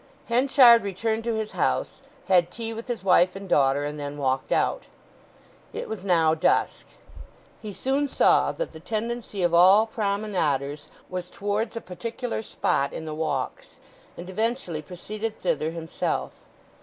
Henchard returned to his house, had tea with his wife and daughter, and then walked out. It was now dusk. He soon saw that the tendency of all promenaders was towards a particular spot in the Walks, and eventually proceeded thither himself.